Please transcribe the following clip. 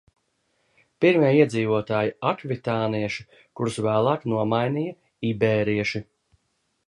Pirmie iedzīvotāji – akvitānieši, kurus vēlāk nomainīja ibērieši.